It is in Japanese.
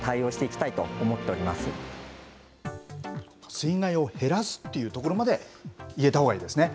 水害を減らすっていうところまで言えたほうがいいですね。